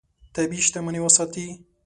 طبیعي شتمنۍ وساتې.